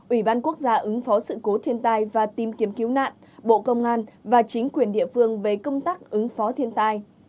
ubt ứng phó sự cố thiên tai và tìm kiếm cứu nạn bộ công an và chính quyền địa phương về công tác ứng phó thiên tai